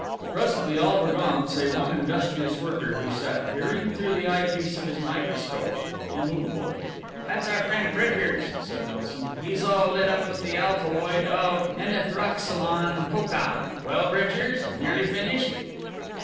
Presently all were gone save one industrious worker, who sat peering through the eye piece of his microscope, immovable. "That's our friend Bridgers," said Milsom, "he's all lit up with the alkaloid of Enythroxylon Coca Well, Bridgers, nearly finished?"